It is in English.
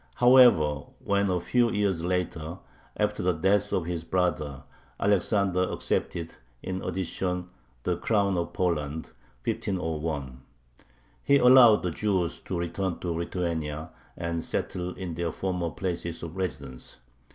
However, when a few years later, after the death of his brother, Alexander accepted, in addition, the crown of Poland (1501), he allowed the Jews to return to Lithuania and settle in their former places of residence.